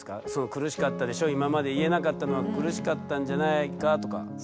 苦しかったでしょ今まで言えなかったのは苦しかったんじゃないかとか。